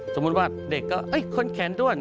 สมมุติว่าเด็กก็คนแขนด้วน